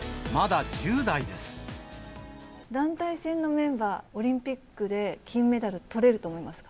団体戦のメンバー、オリンピックで金メダル、とれると思いますか？